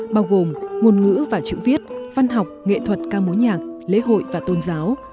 bao gồm ngôn ngữ và chữ viết văn học nghệ thuật ca mối nhạc lễ hội và tôn giáo